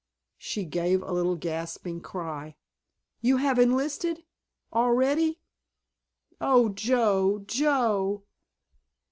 She gave a little gasping cry. "You have enlisted—already? Oh, Joe, Joe!"